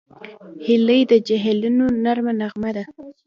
هیلۍ د جهیلونو نرمه نغمه ده